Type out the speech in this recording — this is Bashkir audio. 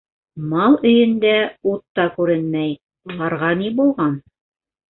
Мал өйөндә ут та күренмәй, быларға ни булған?